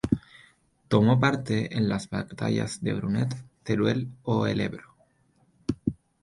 Tomó parte en las batallas de Brunete, Teruel o el Ebro.